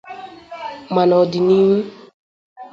ma n'ọdịnihu.